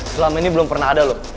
selama ini belum pernah ada loh